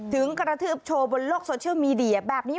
ถึงกระทืบโชว์บนโลกโซเชียลมีเดียแบบนี้